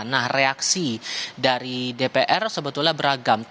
nah reaksi dari dpr sebetulnya beragam